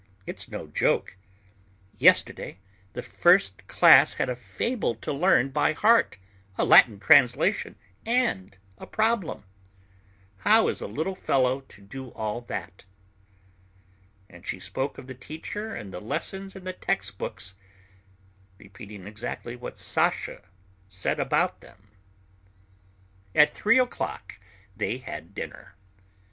"It's no joke. Yesterday the first class had a fable to learn by heart, a Latin translation, and a problem. How is a little fellow to do all that?" And she spoke of the teacher and the lessons and the text books, repeating exactly what Sasha said about them. At three o'clock they had dinner.